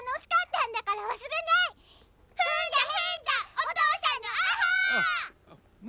お父さんのあほ！